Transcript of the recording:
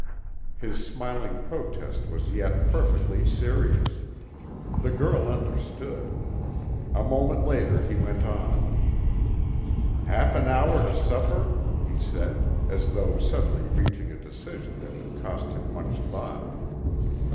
His smiling protest was yet perfectly serious. The girl understood. A moment later he went on. "Half an hour to supper?" he said, as though suddenly reaching a decision that had cost him much thought.